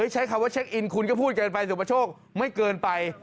ใช้คำว่าเช็คอินคุณก็พูดเกินไปสุประโชคไม่เกินไป